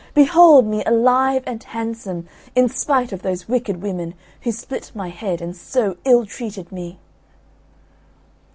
Behold me alive and handsome, in spite of those wicked women, who split my head and so ill treated me."